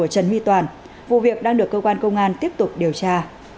trần my toàn vụ việc đang được cơ quan công an tiếp tục điều tra